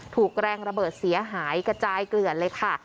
ถูกแรงระเบิดเสียหายกระจายเกลือนเลยค่ะ